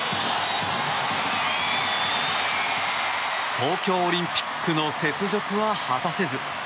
東京オリンピックの雪辱は果たせず。